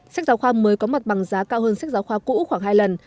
sách giáo khoa mới có mặt bằng giá cao hơn sách giáo khoa cũ khoảng hai lần